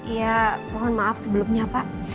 ya mohon maaf sebelumnya pak